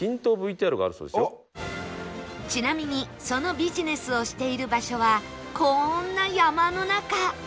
ちなみにそのビジネスをしている場所はこんな山の中